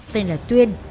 tên là tuyên